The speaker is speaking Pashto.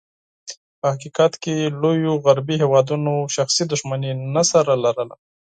په حقیقت کې، لوېو غربي هېوادونو شخصي دښمني نه سره درلوده.